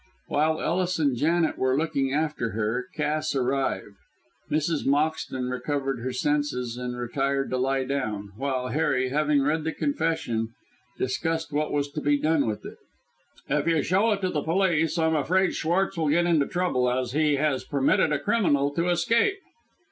While Ellis and Janet were looking after her, Cass arrived. Mrs. Moxton recovered her senses, and retired to lie down; while Harry, having read the confession, discussed what was to be done with it. "If you show it to the police, I am afraid Schwartz will get into trouble, as he has permitted a criminal to escape."